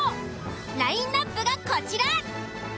ラインアップがこちら。